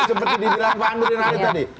seperti di dirampahan merinade tadi